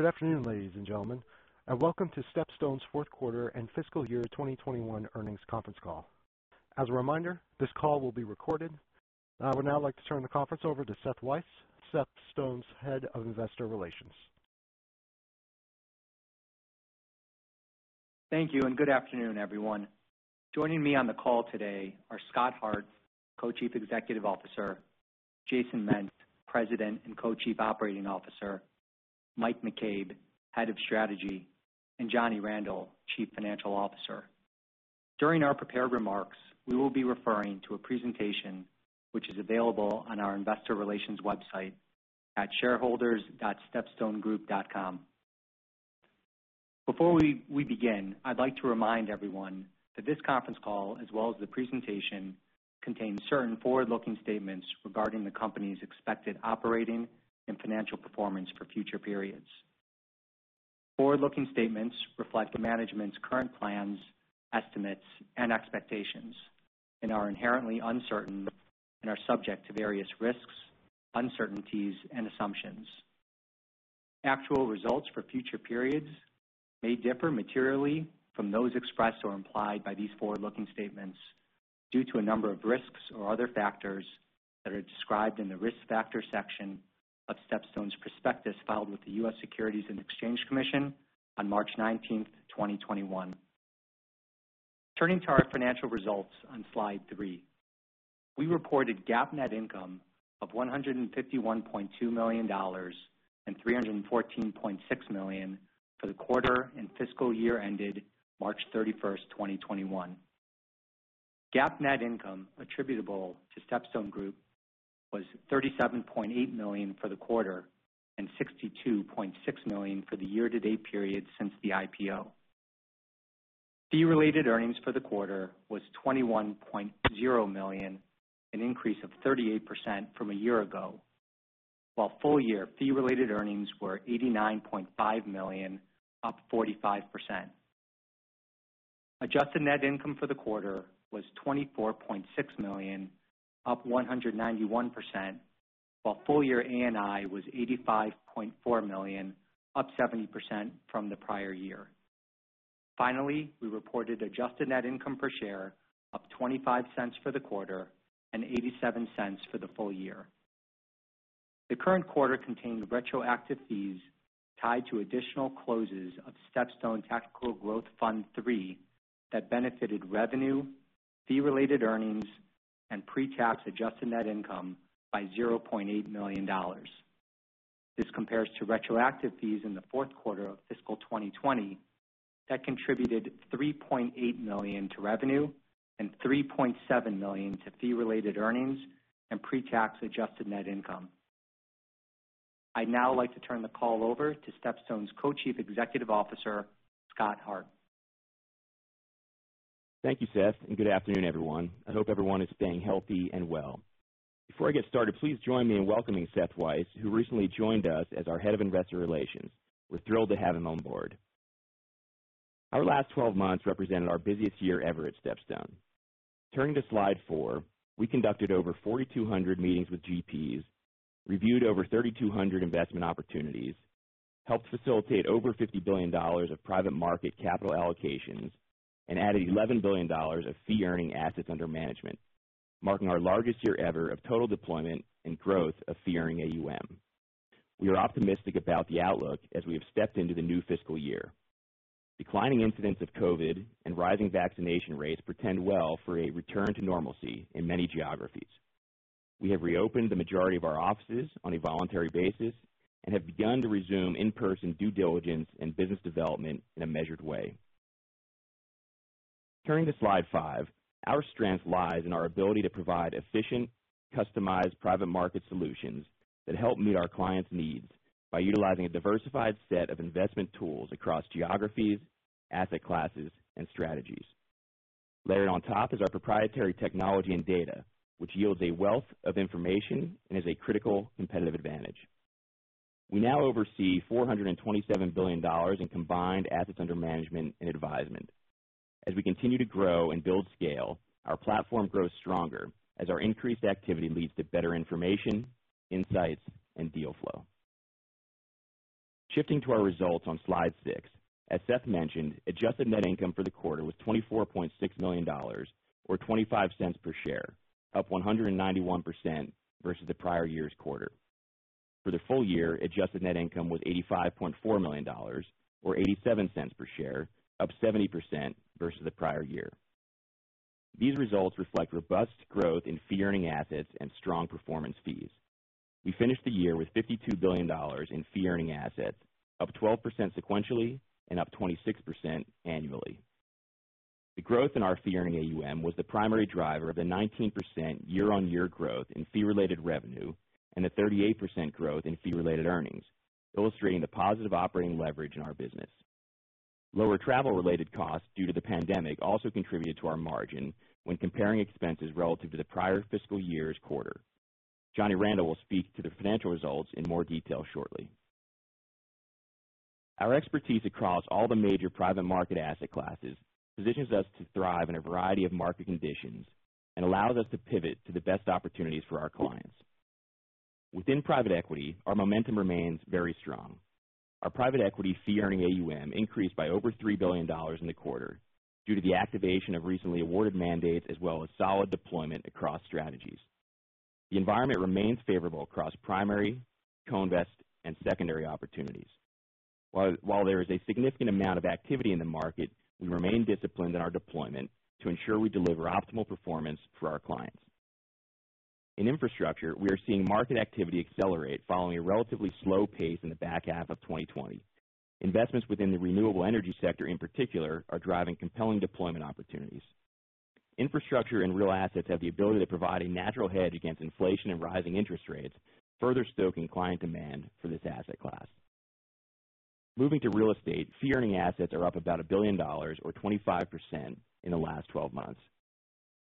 Good afternoon, ladies and gentlemen, welcome to StepStone's fourth quarter and fiscal year 2021 earnings conference call. As a reminder, this call will be recorded. I would now like to turn the conference over to Seth Weiss, StepStone's Head of Investor Relations. Thank you, and good afternoon, everyone. Joining me on the call today are Scott Hart, Co-chief Executive Officer, Jason Ment, President and Co-chief Operating Officer, Mike McCabe, Head of Strategy, and Johnny Randel, Chief Financial Officer. During our prepared remarks, we will be referring to a presentation which is available on our investor relations website at shareholders.stepstonegroup.com. Before we begin, I'd like to remind everyone that this conference call as well as the presentation contains certain forward-looking statements regarding the company's expected operating and financial performance for future periods. Forward-looking statements reflect management's current plans, estimates, and expectations and are inherently uncertain and are subject to various risks, uncertainties, and assumptions. Actual results for future periods may differ materially from those expressed or implied by these forward-looking statements due to a number of risks or other factors that are described in the risk factor section of StepStone's prospectus filed with the U.S. Securities and Exchange Commission on March 19th, 2021. Turning to our financial results on slide 3. We reported GAAP net income of $151.2 million and $314.6 million for the quarter and fiscal year ended March 31st, 2021. GAAP net income attributable to StepStone Group was $37.8 million for the quarter and $62.6 million for the year-to-date period since the IPO. Fee-related earnings for the quarter was $21.0 million, an increase of 38% from a year ago, while full year fee-related earnings were $89.5 million, up 45%. Adjusted net income for the quarter was $24.6 million, up 191%, while full year ANI was $85.4 million, up 70% from the prior year. We reported adjusted net income per share up $0.25 for the quarter and $0.87 for the full year. The current quarter contained retroactive fees tied to additional closes of StepStone Tactical Growth Fund III that benefited revenue, fee-related earnings, and pre-tax adjusted net income by $0.8 million. This compares to retroactive fees in the fourth quarter of fiscal 2020 that contributed $3.8 million to revenue and $3.7 million to fee-related earnings and pre-tax adjusted net income. I'd now like to turn the call over to StepStone's Co-Chief Executive Officer, Scott Hart. Thank you, Seth, good afternoon, everyone. I hope everyone is staying healthy and well. Before I get started, please join me in welcoming Seth Weiss, who recently joined us as our Head of Investor Relations. We're thrilled to have him on board. Our last 12 months represented our busiest year ever at StepStone. Turning to slide 4, we conducted over 4,200 meetings with GPs, reviewed over 3,200 investment opportunities, helped facilitate over $50 billion of private market capital allocations, and added $11 billion of Fee-earning Assets Under Management, marking our largest year ever of total deployment and growth of Fee-earning AUM. We are optimistic about the outlook as we have stepped into the new fiscal year. Declining incidents of COVID and rising vaccination rates portend well for a return to normalcy in many geographies. We have reopened the majority of our offices on a voluntary basis and have begun to resume in-person due diligence and business development in a measured way. Turning to slide 5. Our strength lies in our ability to provide efficient, customized private market solutions that help meet our clients' needs by utilizing a diversified set of investment tools across geographies, asset classes and strategies. Layered on top is our proprietary technology and data, which yields a wealth of information and is a critical competitive advantage. We now oversee $427 billion in combined assets under management and advisement. As we continue to grow and build scale, our platform grows stronger as our increased activity leads to better information, insights, and deal flow. Shifting to our results on slide 6. As Seth mentioned, adjusted net income for the quarter was $24.6 million, or $0.25 per share, up 191% versus the prior year's quarter. For the full year, adjusted net income was $85.4 million, or $0.87 per share, up 70% versus the prior year. These results reflect robust growth in fee-earning assets and strong performance fees. We finished the year with $52 billion in fee-earning assets, up 12% sequentially and up 26% annually. The growth in our fee-earning AUM was the primary driver of the 19% year-on-year growth in fee-related revenue and a 38% growth in fee-related earnings, illustrating the positive operating leverage in our business. Lower travel-related costs due to the pandemic also contributed to our margin when comparing expenses relative to the prior fiscal year's quarter. Johnny Randel will speak to the financial results in more detail shortly. Our expertise across all the major private market asset classes positions us to thrive in a variety of market conditions and allows us to pivot to the best opportunities for our clients. Within private equity, our momentum remains very strong. Our private equity fee-earning AUM increased by over $3 billion in the quarter due to the activation of recently awarded mandates, as well as solid deployment across strategies. The environment remains favorable across primary, co-invest, and secondary opportunities. While there is a significant amount of activity in the market, we remain disciplined in our deployment to ensure we deliver optimal performance for our clients. In infrastructure, we are seeing market activity accelerate following a relatively slow pace in the back half of 2020. Investments within the renewable energy sector, in particular, are driving compelling deployment opportunities. Infrastructure and real assets have the ability to provide natural hedge against inflation and rising interest rates, further stoking client demand for this asset class. Moving to real estate, fee-earning AUM are up about $1 billion or 25% in the last 12 months.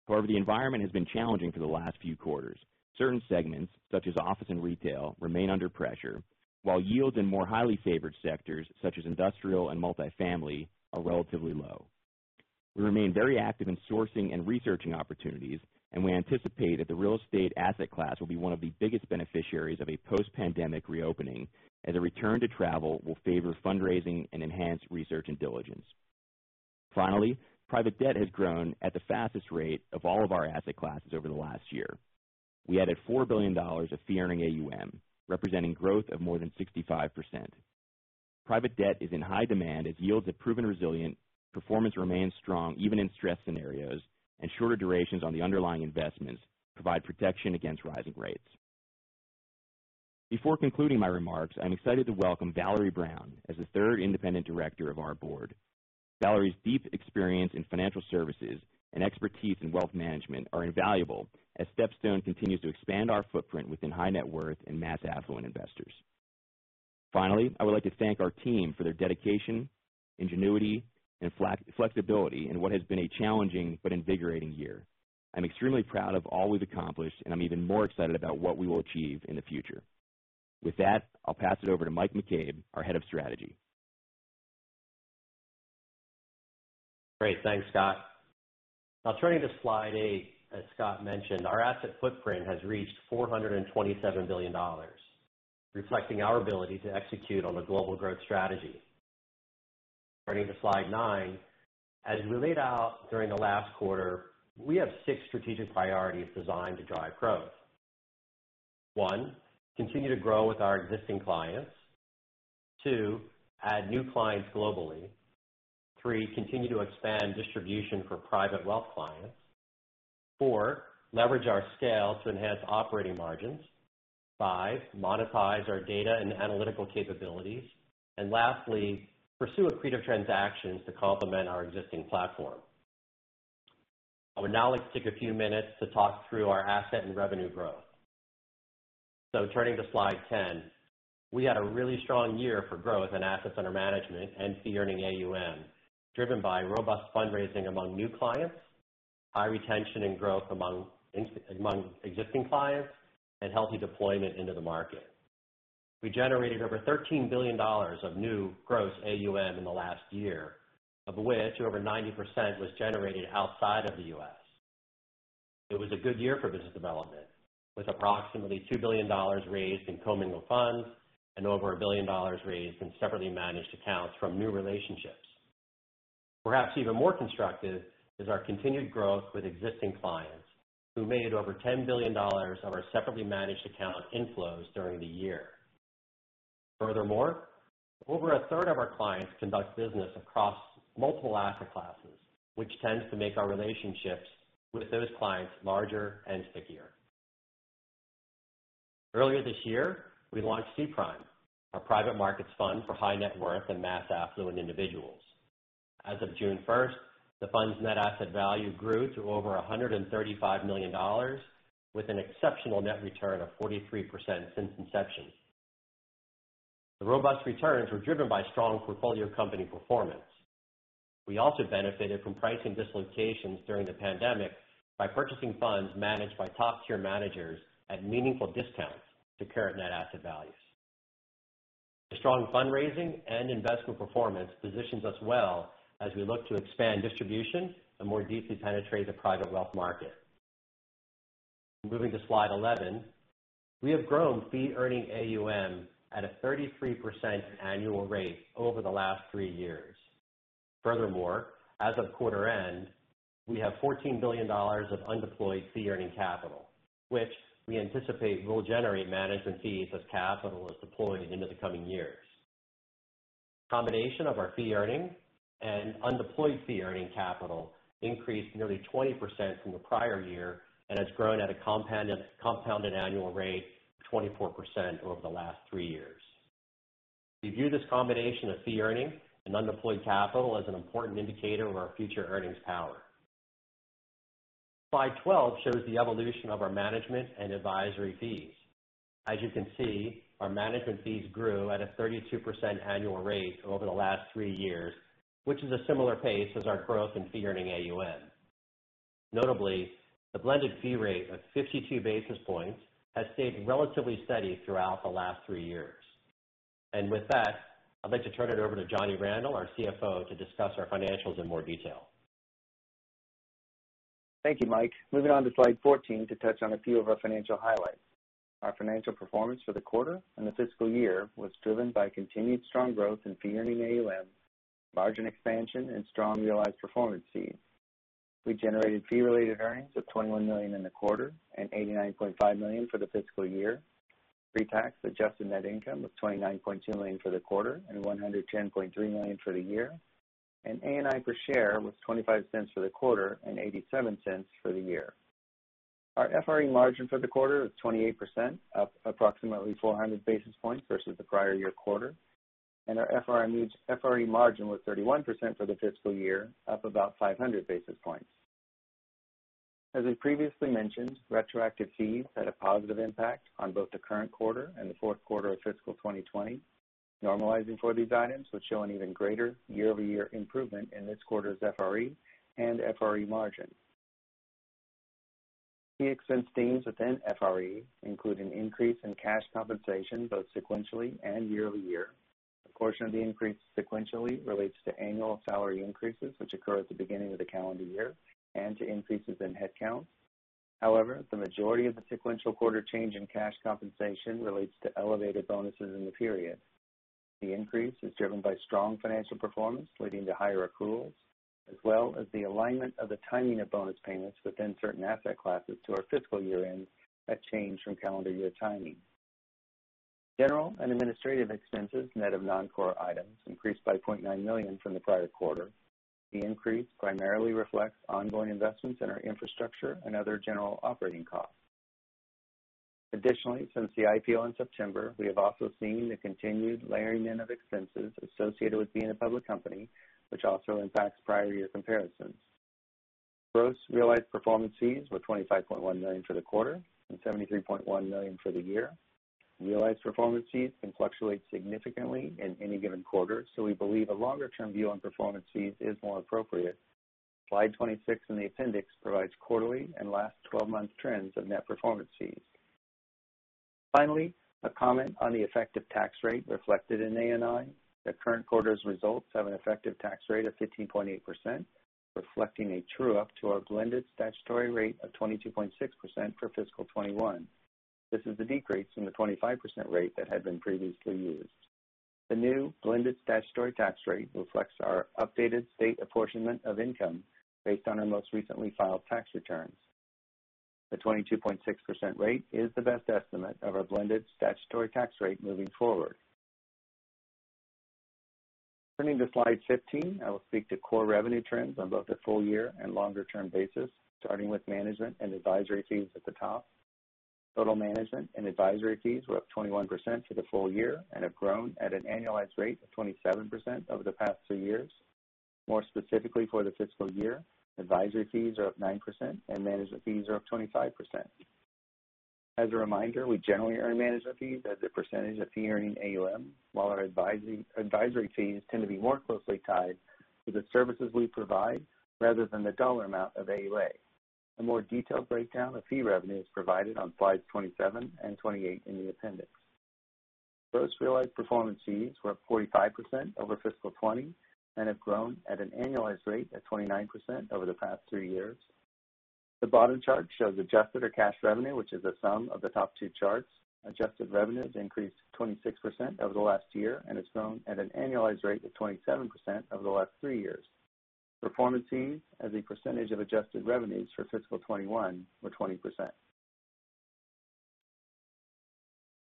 However, the environment has been challenging for the last few quarters. Certain segments, such as office and retail, remain under pressure, while yields in more highly favored sectors, such as industrial and multifamily, are relatively low. We remain very active in sourcing and researching opportunities, and we anticipate that the real estate asset class will be one of the biggest beneficiaries of a post-pandemic reopening, and the return to travel will favor fundraising and enhance research and diligence. Finally, private debt has grown at the fastest rate of all of our asset classes over the last year. We added $4 billion of fee-earning AUM, representing growth of more than 65%. Private debt is in high demand as yields have proven resilient, performance remains strong even in stress scenarios, and shorter durations on the underlying investments provide protection against rising rates. Before concluding my remarks, I'm excited to welcome Valerie Brown as the 3rd independent director of our board. Valerie's deep experience in financial services and expertise in wealth management are invaluable as StepStone continues to expand our footprint within high net worth and mass affluent investors. I would like to thank our team for their dedication, ingenuity, and flexibility in what has been a challenging but invigorating year. I'm extremely proud of all we've accomplished, and I'm even more excited about what we will achieve in the future. With that, I'll pass it over to Mike McCabe, our head of strategy. Great. Thanks, Scott. Now turning to slide 8, as Scott mentioned, our asset footprint has reached $427 billion, reflecting our ability to execute on the global growth strategy. Turning to slide 9, as we laid out during the last quarter, we have six strategic priorities designed to drive growth. One, continue to grow with our existing clients. Two, add new clients globally. Three, continue to expand distribution for private wealth clients. Four, leverage our scale to enhance operating margins. Five, monetize our data and analytical capabilities. Lastly, pursue accretive transactions to complement our existing platform. I would now like to take a few minutes to talk through our asset and revenue growth. Turning to slide 10, we had a really strong year for growth in assets under management and fee-earning AUM, driven by robust fundraising among new clients, high retention and growth among existing clients, and healthy deployment into the market. We generated over $13 billion of new gross AUM in the last year, of which over 90% was generated outside of the U.S. It was a good year for business development, with approximately $2 billion raised in commingled funds and over $1 billion raised in separately managed accounts from new relationships. Perhaps even more constructive is our continued growth with existing clients, who made over $10 billion of our separately managed account inflows during the year. Furthermore, over a third of our clients conduct business across multiple asset classes, which tends to make our relationships with those clients larger and stickier. Earlier this year, we launched SPRIM, our private markets fund for high net worth and mass affluent individuals. As of June 1st, the fund's net asset value grew to over $135 million, with an exceptional net return of 43% since inception. The robust returns were driven by strong portfolio company performance. We also benefited from pricing dislocations during the pandemic by purchasing funds managed by top-tier managers at meaningful discounts to current net asset values. The strong fundraising and investment performance positions us well as we look to expand distribution and more deeply penetrate the private wealth market. Moving to slide 11, we have grown fee earning AUM at a 33% annual rate over the last three years. Furthermore, as of quarter end, we have $14 billion of undeployed fee-earning capital, which we anticipate will generate management fees as capital is deployed into the coming years. A combination of our fee-earning and undeployed fee-earning capital increased nearly 20% from the prior year and has grown at a compounded annual rate of 24% over the last three years. We view this combination of fee-earning and undeployed capital as an important indicator of our future earnings power. Slide 12 shows the evolution of our management and advisory fees. As you can see, our management fees grew at a 32% annual rate over the last three years, which is a similar pace as our growth in fee-earning AUM. Notably, the blended fee rate of 52 basis points has stayed relatively steady throughout the last three years. With that, I'd like to turn it over to Johnny Randel, our CFO, to discuss our financials in more detail. Thank you, Mike. Moving on to slide 14 to touch on a few of our financial highlights. Our financial performance for the quarter and the fiscal year was driven by continued strong growth in fee-earning AUM, margin expansion, and strong realized performance fees. We generated fee-related earnings of $21 million in the quarter and $89.5 million for the fiscal year. Pre-tax adjusted net income was $29.2 million for the quarter and $110.3 million for the year, and ANI per share was $0.25 for the quarter and $0.87 for the year. Our FRE margin for the quarter was 28%, up approximately 400 basis points versus the prior year quarter, and our FRE margin was 31% for the fiscal year, up about 500 basis points. As we previously mentioned, retroactive fees had a positive impact on both the current quarter and the fourth quarter of fiscal 2020. Normalizing for these items would show an even greater year-over-year improvement in this quarter's FRE and FRE margin. Key expense themes within FRE include an increase in cash compensation, both sequentially and year-over-year. A portion of the increase sequentially relates to annual salary increases, which occur at the beginning of the calendar year, and to increases in headcount. However, the majority of the sequential quarter change in cash compensation relates to elevated bonuses in the period. The increase is driven by strong financial performance, leading to higher accruals, as well as the alignment of the timing of bonus payments within certain asset classes to our fiscal year-end that change from calendar year timing. General and administrative expenses net of non-core items increased by $9.9 million from the prior quarter. The increase primarily reflects ongoing investments in our infrastructure and other general operating costs. Additionally, since the IPO in September, we have also seen the continued layering in of expenses associated with being a public company, which also impacts prior year comparisons. Gross-to-realized performance fees were $25.1 million for the quarter and $73.1 million for the year. Realized performance fees can fluctuate significantly in any given quarter, so we believe a longer-term view on performance fees is more appropriate. Slide 26 in the appendix provides quarterly and last 12-month trends of net performance fees. Finally, a comment on the effective tax rate reflected in ANI. The current quarter's results have an effective tax rate of 15.8%, reflecting a true-up to our blended statutory rate of 22.6% for fiscal 2021. This is a decrease from the 25% rate that had been previously used. The new blended statutory tax rate reflects our updated state apportionment of income based on our most recently filed tax returns. The 22.6% rate is the best estimate of our blended statutory tax rate moving forward. Turning to slide 15, I will speak to core revenue trends on both a full year and longer-term basis, starting with management and advisory fees at the top. Total management and advisory fees were up 21% for the full year and have grown at an annualized rate of 27% over the past three years. More specifically for the fiscal year, advisory fees are up 9% and management fees are up 25%. As a reminder, we generally earn management fees as a percentage of fee-earning AUM, while our advisory fees tend to be more closely tied to the services we provide rather than the dollar amount of AUM. A more detailed breakdown of fee revenue is provided on slides 27 and 28 in the appendix. Gross-to-realized performance fees were up 45% over fiscal 2020 and have grown at an annualized rate of 29% over the past three years. The bottom chart shows adjusted or cash revenue, which is the sum of the top two charts. Adjusted revenues increased 26% over the last year and have grown at an annualized rate of 27% over the last three years. Performance fees as a percentage of adjusted revenues for fiscal 2021 were 20%.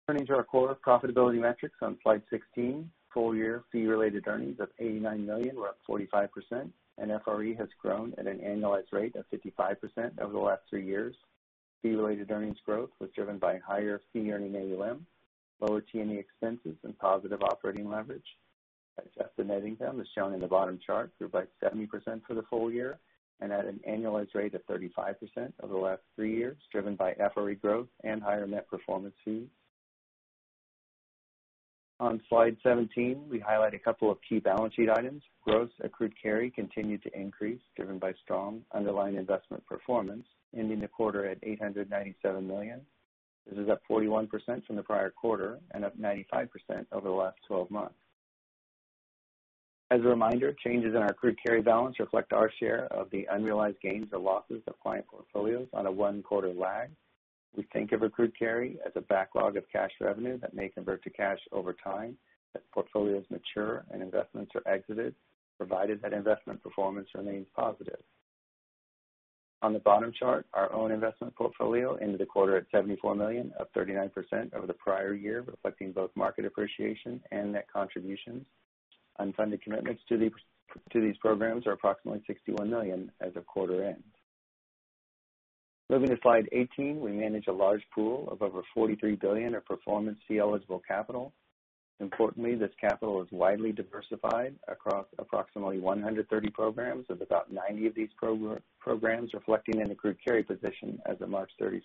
Turning to our core profitability metrics on slide 16, full year fee-related earnings of $89 million were up 45%, and FRE has grown at an annualized rate of 55% over the last three years. Fee-related earnings growth was driven by higher fee-earning AUM, lower T&E expenses, and positive operating leverage. As estimating them, as shown in the bottom chart, grew by 70% for the full year and at an annualized rate of 35% over the last three years, driven by FRE growth and higher net performance fees. On slide 17, we highlight a couple of key balance sheet items. Gross accrued carry continued to increase, driven by strong underlying investment performance, ending the quarter at $897 million. This is up 41% from the prior quarter and up 95% over the last 12 months. As a reminder, changes in our accrued carry balance reflect our share of the unrealized gains or losses of client portfolios on a one-quarter lag. We think of accrued carry as a backlog of cash revenue that may convert to cash over time as portfolios mature and investments are exited, provided that investment performance remains positive. On the bottom chart, our own investment portfolio ended the quarter at $74 million, up 39% over the prior year, reflecting both market appreciation and net contributions. Unfunded commitments to these programs are approximately $61 million as of quarter end. Moving to slide 18, we manage a large pool of over $43 billion of performance fee eligible capital. Importantly, this capital is widely diversified across approximately 130 programs, with about 90 of these programs reflecting an accrued carry position as of March 31st.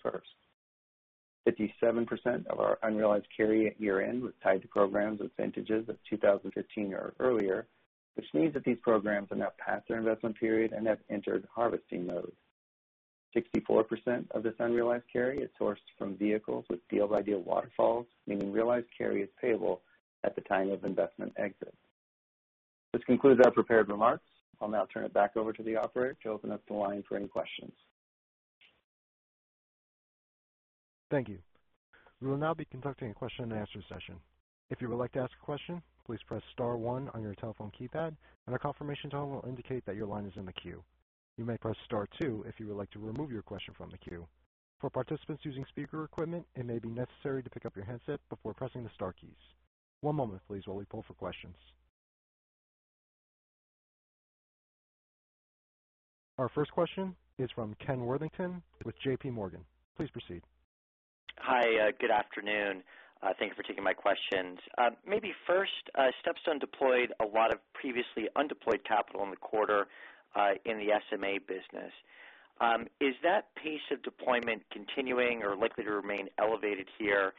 57% of our unrealized carry at year-end was tied to programs with vintages of 2015 or earlier, which means that these programs are now past their investment period and have entered harvesting mode. 64% of this unrealized carry is sourced from vehicles with deal-by-deal waterfalls, meaning realized carry is payable at the time of investment exit. This concludes our prepared remarks. I'll now turn it back over to the operator to open up the line for any questions. Thank you. We will now be conducting a question and answer session. If you would like to ask a question, please press star one on your telephone keypad, and a confirmation tone will indicate that your line is in the queue. You may press star two if you would like to remove your question from the queue. For participants using speaker equipment, it may be necessary to pick up your handset before pressing the star keys. One moment please, while we pull for questions. Our first question is from Ken Worthington with JPMorgan. Please proceed. Hi. Good afternoon. Thanks for taking my questions. Maybe first, StepStone deployed a lot of previously undeployed capital in the quarter in the SMA business. Is that pace of deployment continuing or likely to remain elevated here?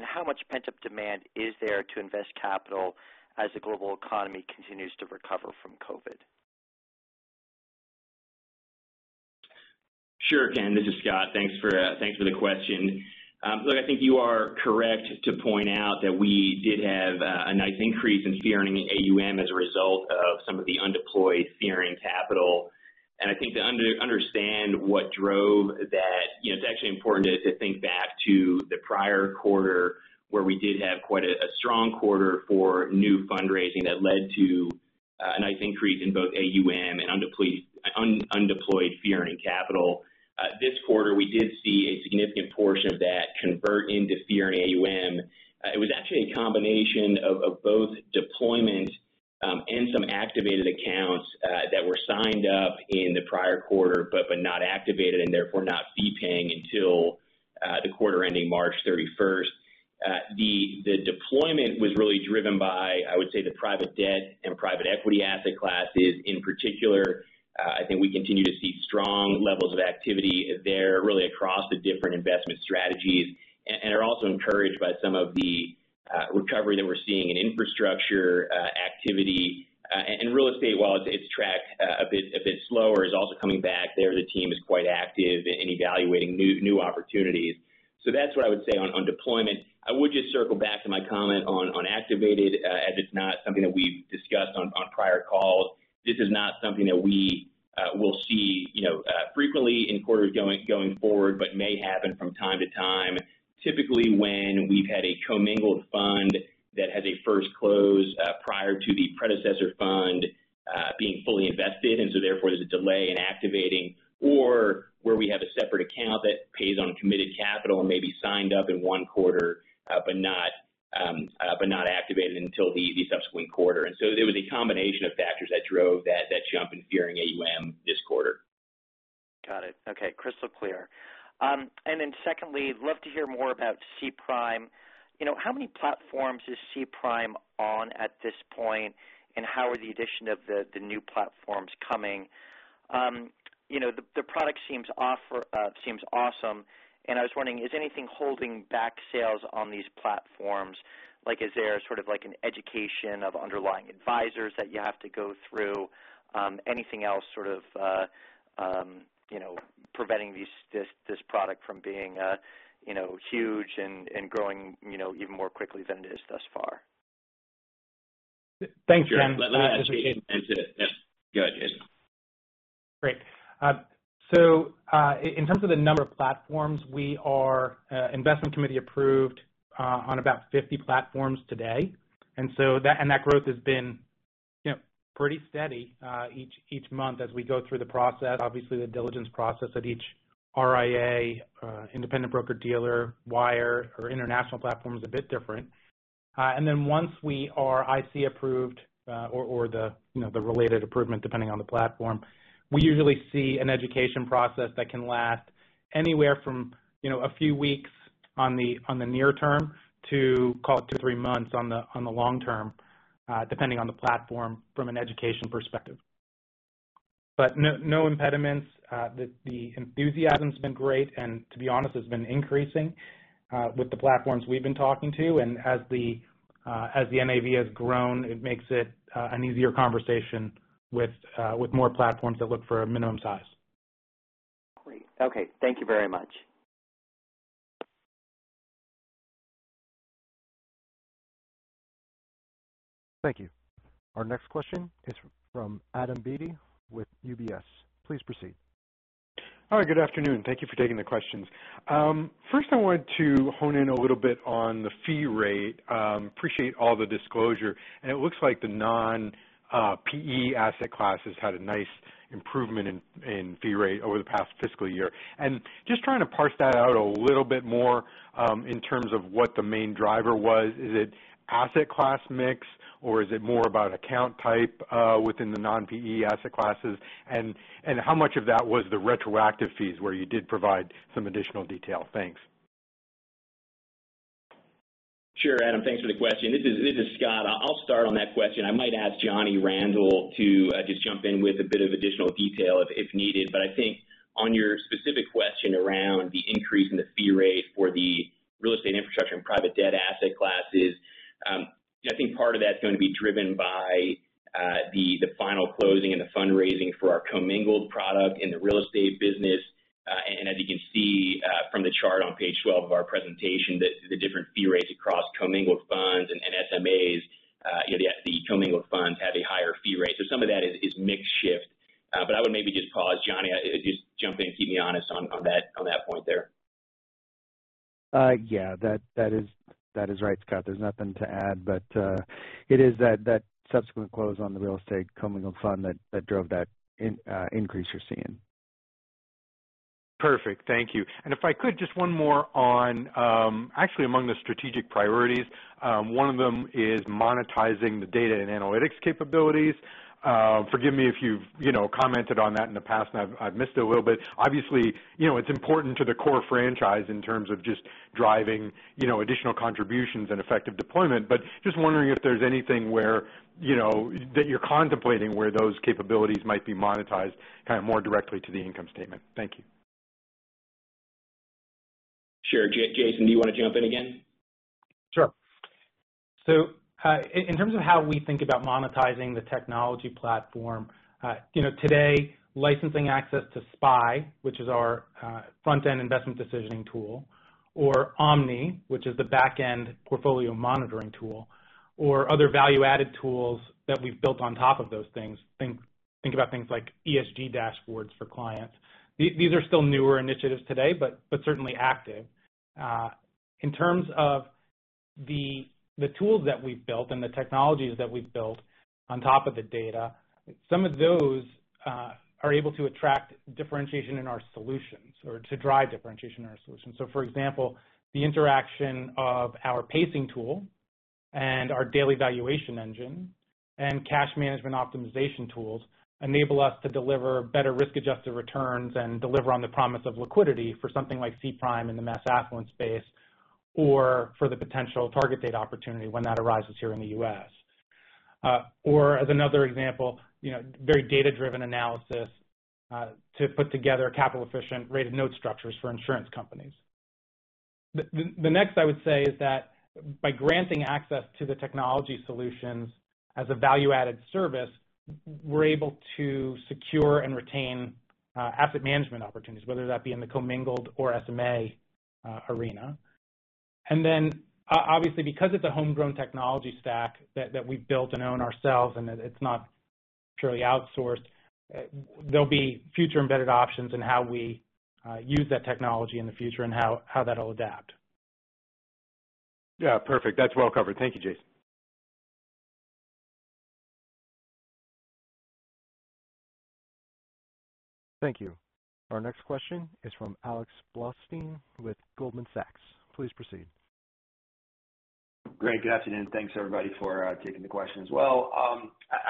How much pent-up demand is there to invest capital as the global economy continues to recover from COVID? Sure, Ken. This is Scott. Thanks for the question. Look, I think you are correct to point out that we did have a nice increase in fee earning AUM as a result of some of the undeployed fee-earning capital. I think to understand what drove that, it's actually important to think back to the prior quarter, where we did have quite a strong quarter for new fundraising that led to a nice increase in both AUM and undeployed fee-earning capital. This quarter, we did see a significant portion of that convert into fee earning AUM. It was actually a combination of both deployment and some activated accounts that were signed up in the prior quarter, but were not activated, and therefore not fee paying until the quarter ending March 31st. The deployment was really driven by, I would say, the private debt and private equity asset classes in particular. I think we continue to see strong levels of activity there, really across the different investment strategies. Are also encouraged by some of the recovery that we're seeing in infrastructure activity. Real estate, while it's tracked a bit slower, is also coming back there. The team is quite active in evaluating new opportunities. That's what I would say on deployment. I would just circle back to my comment on activated, as it's not something that we've discussed on prior calls. This is not something that we will see frequently in quarters going forward, but may happen from time to time. Typically, when we've had a commingled fund that had a first close prior to the predecessor fund being fully invested, and so therefore there's a delay in activating. Where we have a separate account that pays on committed capital and may be signed up in one quarter, but not activated until the subsequent quarter. It was a combination of factors that drove that jump in fee-earning AUM this quarter. Got it. Okay. Crystal clear. Secondly, love to hear more about SPRIM. How many platforms is SPRIM on at this point, and how are the addition of the new platforms coming? The product seems awesome, and I was wondering, is anything holding back sales on these platforms? Is there sort of an education of underlying advisors that you have to go through? Anything else sort of preventing this product from being huge and growing even more quickly than it is thus far? Thanks, Ken. Go ahead, Jason. Great. In terms of the number of platforms, we are investment committee approved on about 50 platforms today. That growth has been pretty steady each month as we go through the process. Obviously, the diligence process of each RIA, independent broker-dealer, wire or international platform is a bit different. Once we are IC approved or the related approval, depending on the platform, we usually see an education process that can last anywhere from a few weeks on the near term to two-three months on the long term, depending on the platform from an education perspective. No impediments. The enthusiasm's been great, and to be honest, has been increasing with the platforms we've been talking to. As the NAV has grown, it makes it an easier conversation with more platforms that look for a minimum size. Great. Okay. Thank you very much. Thank you. Our next question is from Adam Beatty with UBS. Please proceed. Hi, good afternoon. Thank you for taking the questions. First I wanted to hone in a little bit on the fee rate. Appreciate all the disclosure. It looks like the non-PE asset classes had a nice improvement in fee rate over the past fiscal year. Just trying to parse that out a little bit more in terms of what the main driver was. Is it asset class mix, or is it more about account type within the non-PE asset classes? How much of that was the retroactive fees where you did provide some additional detail? Thanks. Sure, Adam. Thanks for the question. This is Scott. I'll start on that question. I might ask Johnny Randel to just jump in with a bit of additional detail if needed. I think on your specific question around the increase in the fee rate for the real estate infrastructure and private debt asset classes, I think part of that's going to be driven by the final closing and the fundraising for our commingled product in the real estate business. As you can see from the chart on page 12 of our presentation, that the different fee rates across commingled funds and SMAs, the commingled funds have a higher fee rate. Some of that is mix shift. I would maybe just pause. Johnny, just jump in and keep me honest on that point there. Yeah. That is right, Scott. There's nothing to add, but it is that subsequent close on the real estate commingled fund that drove that increase you're seeing. Perfect. Thank you. If I could, just one more on, actually among the strategic priorities, one of them is monetizing the data and analytics capabilities. Forgive me if you've commented on that in the past, and I've missed it a little bit. Obviously, it's important to the core franchise in terms of just driving additional contributions and effective deployment. Just wondering if there's anything where, that you're contemplating where those capabilities might be monetized more directly to the income statement. Thank you. Sure. Jason, do you want to jump in again? Sure. In terms of how we think about monetizing the technology platform. Today, licensing access to SPI, which is our front-end investment decisioning tool, or Omni, which is the back-end portfolio monitoring tool, or other value-added tools that we've built on top of those things. Think about things like ESG dashboards for clients. These are still newer initiatives today, but certainly active. In terms of the tools that we've built and the technologies that we've built on top of the data, some of those are able to attract differentiation in our solutions or to drive differentiation in our solutions. For example, the interaction of our pacing tool and our daily valuation engine and cash management optimization tools enable us to deliver better risk-adjusted returns and deliver on the promise of liquidity for something like SPRIM in the mass affluent space or for the potential target date opportunity when that arises here in the U.S. As another example, very data-driven analysis to put together capital efficient rated note structures for insurance companies. Next, I would say that by granting access to the technology solutions as a value-added service, we're able to secure and retain asset management opportunities, whether that be in the commingled or SMA arena. Obviously, because it's a homegrown technology stack that we've built and own ourselves, and it's not purely outsourced, there'll be future embedded options in how we use that technology in the future and how that'll adapt. Yeah. Perfect. That's well covered. Thank you, Jason. Thank you. Our next question is from Alex Blostein with Goldman Sachs. Please proceed. Great. Good afternoon. Thanks, everybody, for taking the questions. Well,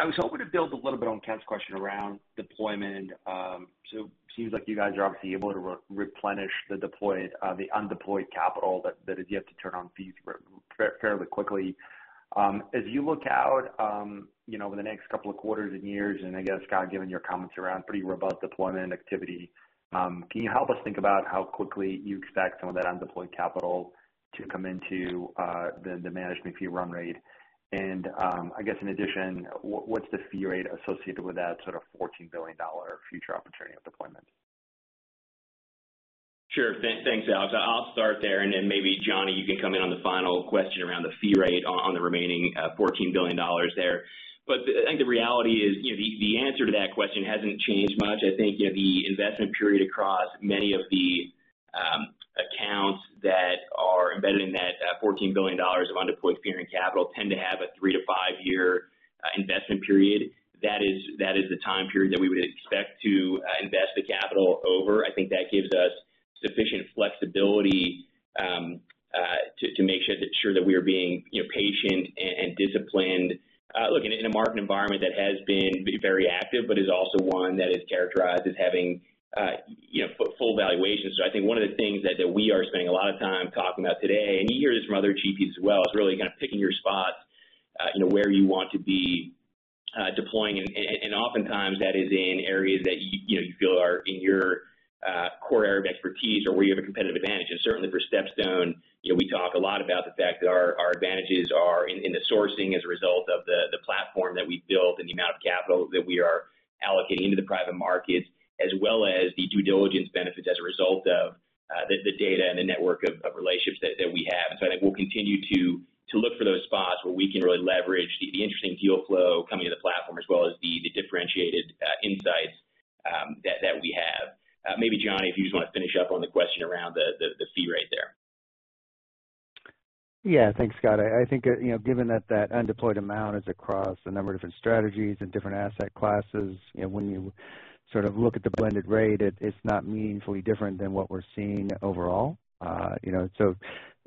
I was hoping to build a little bit on Ken's question around deployment. Seems like you guys are obviously able to replenish the undeployed capital that is yet to turn on fees fairly quickly. As you look out over the next couple of quarters and years, I guess, Scott, given your comments around pretty robust deployment activity, can you help us think about how quickly you expect some of that undeployed capital to come into the management fee run rate? I guess in addition, what's the fee rate associated with that sort of $14 billion future opportunity of deployment? Sure. Thanks, Alex. I'll start there. Then maybe Johnny, you can come in on the final question around the fee rate on the remaining $14 billion there. I think the reality is, the answer to that question hasn't changed much. I think the investment period across many of the accounts that are embedded in that $14 billion of undeployed fee-earning capital tend to have a three-five year investment period. That is the time period that we would expect to invest the capital over. I think that gives us sufficient flexibility to make sure that we are being patient and disciplined. Look, in a market environment that has been very active but is also one that is characterized as having full valuations. I think one of the things that we are spending a lot of time talking about today, and you hear this from other GPs as well, is really kind of picking your spots where you want to be deploying. Oftentimes that is in areas that you feel are in your core area of expertise or where you have a competitive advantage. Certainly for StepStone, we talk a lot about the fact that our advantages are in the sourcing as a result of the platform that we've built and the amount of capital that we are allocating into the private markets, as well as the due diligence benefits as a result of the data and the network of relationships that we have. I think we'll continue to look for those spots where we can really leverage the interesting deal flow coming into the platform as well as the differentiated insights that we have. Maybe Johnny, if you just want to finish up on the question around the fee rate there. Thanks, Scott. I think given that that undeployed amount is across a number of different strategies and different asset classes, when you sort of look at the blended rate, it's not meaningfully different than what we're seeing overall.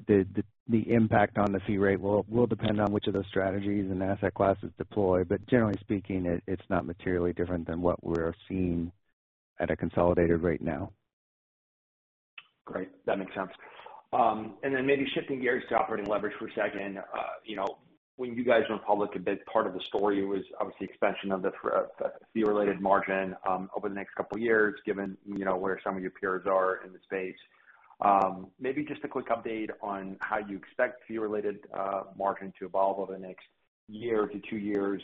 The impact on the fee rate will depend on which of those strategies and asset classes deploy. Generally speaking, it's not materially different than what we're seeing at a consolidated rate now. Great. That makes sense. Then maybe shifting gears to operating leverage for a second. When you guys went public, a big part of the story was obviously expansion of the fee-related margin over the next couple of years, given where some of your peers are in the space. Maybe just a quick update on how you expect fee-related margin to evolve over the next year to two years,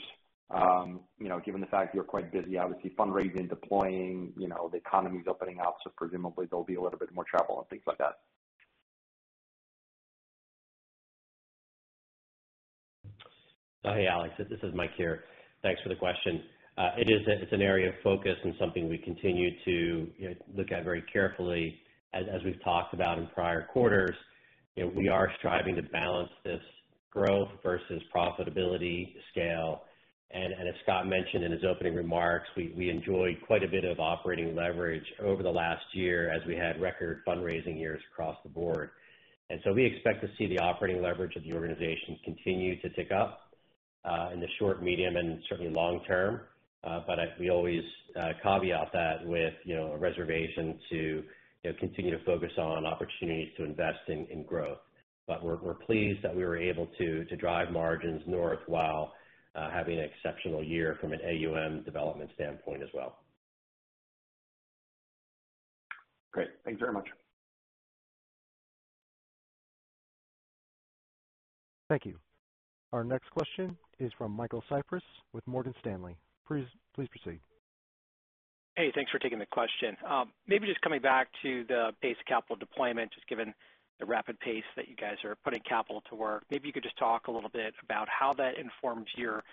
given the fact you're quite busy, obviously, fundraising, deploying, the economy's opening up, so presumably there'll be a little bit more travel and things like that. Hey, Alex, this is Mike here. Thanks for the question. It's an area of focus and something we continue to look at very carefully. As we've talked about in prior quarters, we are striving to balance this growth versus profitability scale. As Scott mentioned in his opening remarks, we enjoyed quite a bit of operating leverage over the last year as we had record fundraising years across the board. We expect to see the operating leverage of the organizations continue to tick up, in the short, medium, and certainly long term. We always caveat that with a reservation to continue to focus on opportunities to invest in growth. We're pleased that we were able to drive margins north while having an exceptional year from an AUM development standpoint as well. Great. Thanks very much. Thank you. Our next question is from Michael Cyprys with Morgan Stanley. Please proceed. Hey, thanks for taking the question. Maybe just coming back to the pace of capital deployment, just given the rapid pace that you guys are putting capital to work. Maybe you could just talk a little bit about how that informs your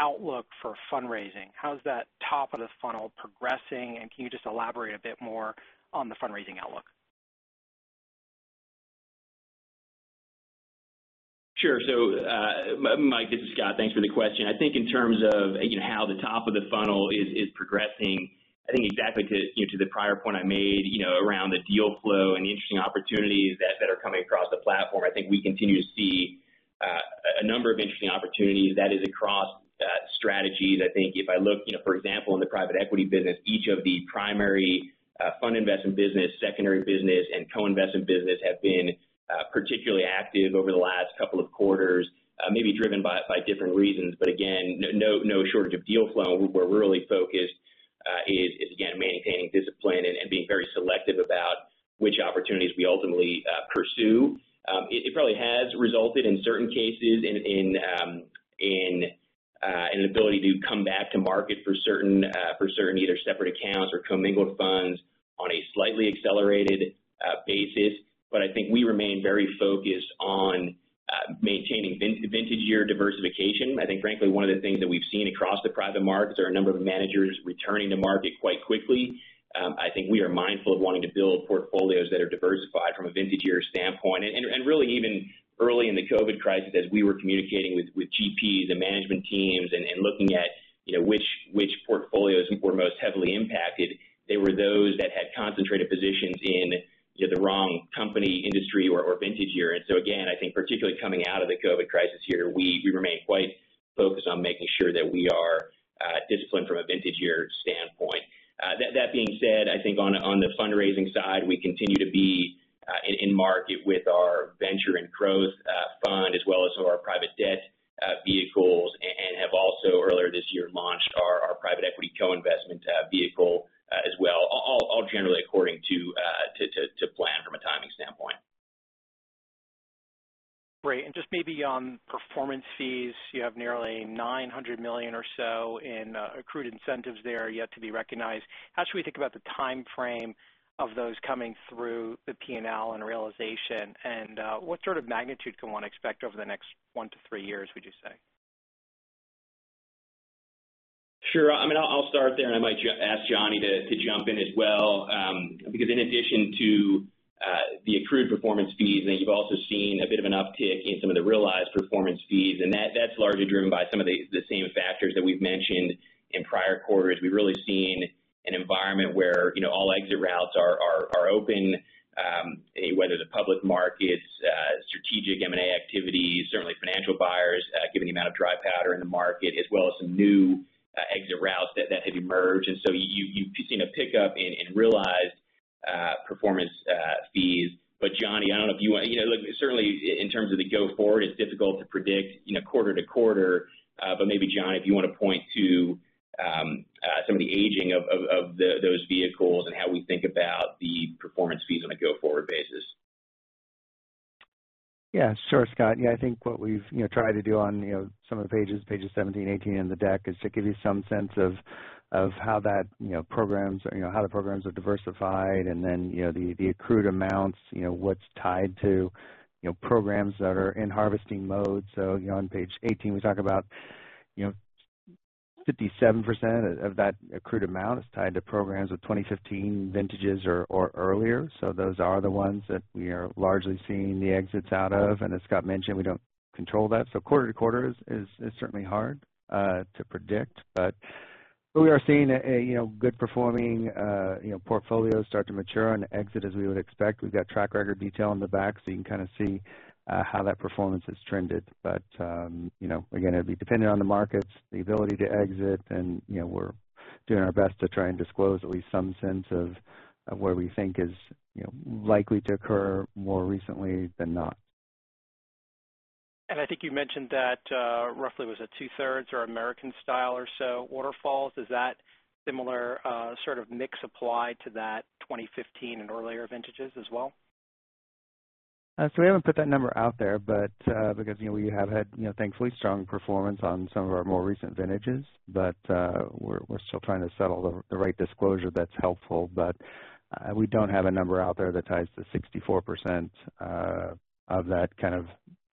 outlook for fundraising. How's that top of the funnel progressing, and can you just elaborate a bit more on the fundraising outlook? Sure. Mike, this is Scott. Thanks for the question. I think in terms of how the top of the funnel is progressing, I think exactly to the prior point I made around the deal flow and the interesting opportunities that are coming across the platform. I think we continue to see a number of interesting opportunities, that is, across strategies. I think if I look, for example, in the private equity business, each of the primary fund investment business, secondary business, and co-investment business have been particularly active over the last couple of quarters. Maybe driven by different reasons. Again, no shortage of deal flow. Where we're really focused is, again, maintaining discipline and being very selective about which opportunities we ultimately pursue. It probably has resulted, in certain cases, in an ability to come back to market for certain either separate accounts or commingled funds on a slightly accelerated basis. I think we remain very focused on maintaining vintage year diversification. I think, frankly, one of the things that we've seen across the private markets are a number of managers returning to market quite quickly. I think we are mindful of wanting to build portfolios that are diversified from a vintage year standpoint. Really even early in the COVID crisis, as we were communicating with GPs and management teams and looking at which portfolios were most heavily impacted, they were those that had concentrated positions in the wrong company, industry, or vintage year. Again, I think particularly coming out of the COVID crisis here, we remain quite focused on making sure that we are disciplined from a vintage year standpoint. That being said, I think on the fundraising side, we continue to be in market with our venture and growth fund as well as our private debt vehicles and have also earlier this year launched our private equity co-investment vehicle as well, all generally according to plan from a timing standpoint. Great. Just maybe on performance fees. You have nearly $900 million or so in accrued incentives there yet to be recognized. How should we think about the timeframe of those coming through the P&L and realization, and what sort of magnitude can one expect over the next one-three years, would you say? Sure. I'll start there. I might ask Johnny to jump in as well. In addition to the accrued performance fees, I think you've also seen a bit of an uptick in some of the realized performance fees, and that's largely driven by some of the same factors that we've mentioned in prior quarters. We've really seen an environment where all exit routes are open, whether the public markets, strategic M&A activity, certainly financial buyers, given the amount of dry powder in the market, as well as some new exit routes that have emerged. You've seen a pickup in realized performance fees. Johnny. Look, certainly in terms of the go forward, it's difficult to predict quarter to quarter. Maybe, Johnny, if you want to point to some of the aging of those vehicles and how we think about the performance fees on a go-forward basis. Yeah, sure, Scott. I think what we've tried to do on some of the pages 17, 18 in the deck, is to give you some sense of how the programs are diversified and then the accrued amounts, what's tied to programs that are in harvesting mode. On page 18, we talk about 57% of that accrued amount is tied to programs with 2015 vintages or earlier. Those are the ones that we are largely seeing the exits out of. As Scott mentioned, we don't control that. Quarter to quarter is certainly hard to predict. We are seeing good performing portfolios start to mature and exit as we would expect. We've got track record detail in the back, you can kind of see how that performance has trended. Again, it'd be dependent on the markets, the ability to exit, and we're doing our best to try and disclose at least some sense of where we think is likely to occur more recently than not. I think you mentioned that roughly, was it two-thirds are American style or so waterfalls? Does that similar sort of mix apply to that 2015 and earlier vintages as well? We haven't put that number out there. We have had, thankfully, strong performance on some of our more recent vintages. We're still trying to settle the right disclosure that's helpful. We don't have a number out there that ties the 64% of that kind of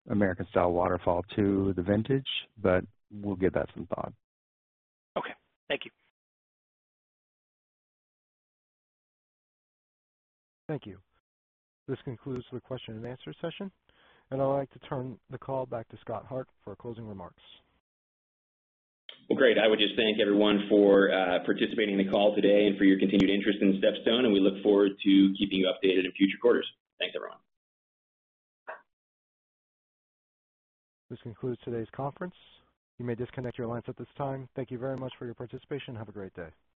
American-style waterfall to the vintage, but we'll give that some thought. Okay. Thank you. Thank you. This concludes the question and answer session, and I'd like to turn the call back to Scott Hart for closing remarks. Great. I would just thank everyone for participating in the call today and for your continued interest in StepStone, and we look forward to keeping you updated in future quarters. Thanks, everyone. This concludes today's conference. You may disconnect your lines at this time. Thank you very much for your participation, and have a great day.